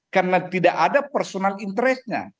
karena tidak ada personal interestnya